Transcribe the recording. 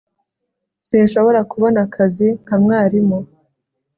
sinshobora kubona akazi nka mwarimu